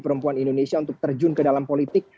perempuan indonesia untuk terjun ke dalam politik